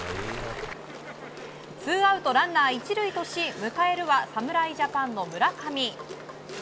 ツーアウト、ランナー１塁とし迎えるは侍ジャパンの村上。